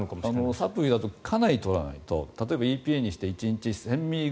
サプリだとかなり取らないと例えばＥＰＡだと１日にして１０００ｍｇ